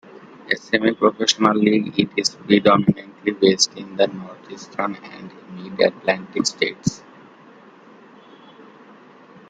A semi-professional league, it is predominantly based in the Northeastern and Mid-Atlantic states.